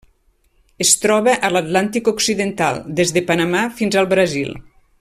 Es troba a l'Atlàntic occidental: des de Panamà fins al Brasil.